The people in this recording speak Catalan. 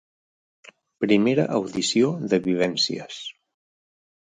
Primera audició de 'Vivències'.